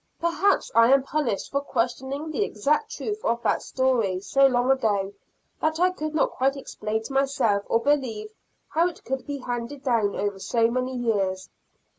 Perhaps I am punished for questioning the exact truth of that story, so long ago, that I could not quite explain to myself or believe how it could be handed down over so many years.